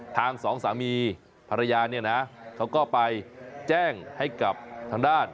ทางสองสามีภรรยาเขาก็ไปแจ้งให้กับทางด้าน